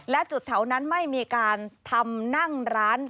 และจุดแถวนั้นไม่มีการทำนั่งร้าน